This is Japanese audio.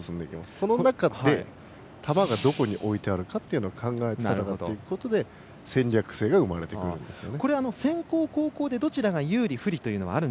そのなかで球がどこに置いてあるかということを考えて置くことで戦略性が生まれてくるわけですね。